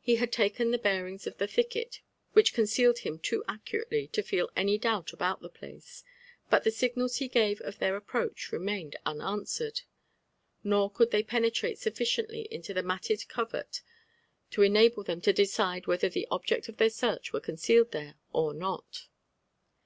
He bad Uiken the bearings of the thicket which concealed him too acciiratdy to feel any doubt about the place ; but the signals be gave of their ap proach remained unanswered, nor could they peoetrate soffldenUy Into the matted eovert to enable them to decide whether the object oif their search were concealed there or not.